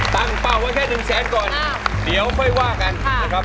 ตั้งเป้าไว้แค่๑แสนก่อนเดี๋ยวค่อยว่ากันนะครับ